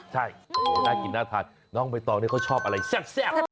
ใช่ได้กินน่าทัดน้องเบยตอนนี้เขาชอบอะไรแซ่บ